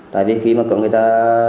tại vì khi mà người ta